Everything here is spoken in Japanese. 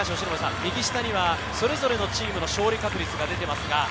右下にはそれぞれのチームの勝利確率が出ています。